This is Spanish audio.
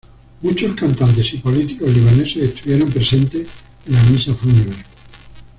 Muchos cantantes y políticos libaneses estuvieron presentes en la misa fúnebre.